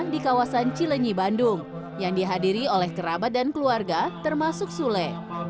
di kawasan cilenyi bandung yang dihadiri oleh kerabat dan keluarga termasuk sule